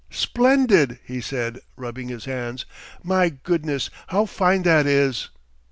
"Splendid," he said, rubbing his hands. "My goodness, how fine that is!"